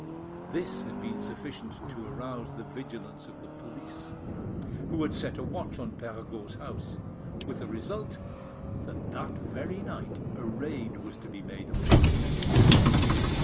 This had been sufficient to arouse the vigilance of the police, who had set a watch on Perregaud's house, with the result that that very night a raid was to be made on it.